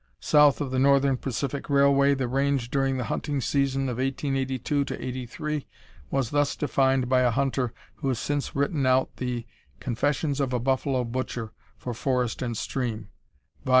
South of the Northern Pacific Railway the range during the hunting season of 1882 '83 was thus defined by a hunter who has since written out the "Confessions of a Buffalo Butcher" for Forest and Stream (vol.